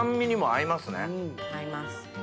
合います。